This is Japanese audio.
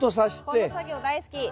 この作業大好き。